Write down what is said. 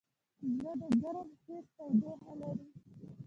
زړه د ګرم حس تودوخه لري.